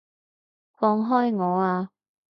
放開我啊！